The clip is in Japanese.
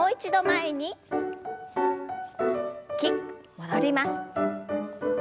戻ります。